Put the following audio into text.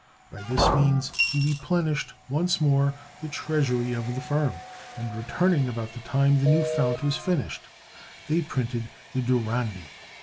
By this means he replenished, once more, the treasury of the firm, and returning about the time the new fount was finished, they printed the "Durandi."